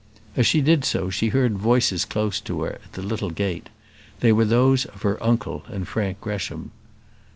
As she did so, she heard voices close to her, at the little gate. They were those of her uncle and Frank Gresham.